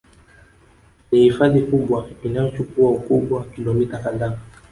Ni hifadhi kubwa Inayochukua Ukubwa wa kilomita kadhaa